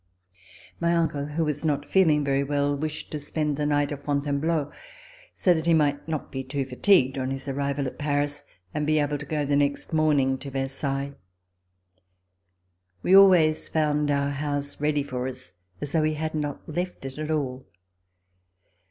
My uncle, who was not feeling very well, wished to spend the night at Fontainebleau, so that he might not be too fatigued on his arrival at Paris and be C38] THE MARRIAGE PRELIMINARIES able to go the next morning to Versailles. We always found our house ready for us, as though we had not left it at all.